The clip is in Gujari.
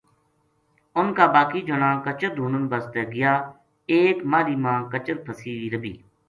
اُنھ کا باقی جنا کچر ڈھُونڈن واسطے گیا ایک ماہلی ما کچر پھَسی وی لبھی